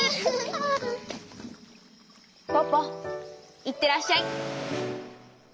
ポポいってらっしゃい！